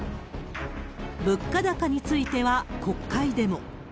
物価高については、国会でも。